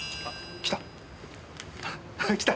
来た！